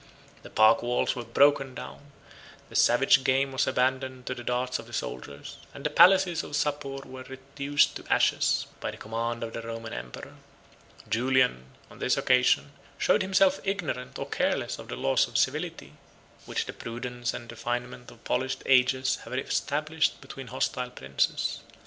The park walls were broken down, the savage game was abandoned to the darts of the soldiers, and the palaces of Sapor were reduced to ashes, by the command of the Roman emperor. Julian, on this occasion, showed himself ignorant, or careless, of the laws of civility, which the prudence and refinement of polished ages have established between hostile princes.